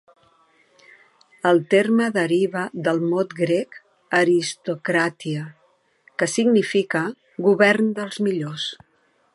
El terme deriva del mot grec "aristokratia", que significa "govern dels millors".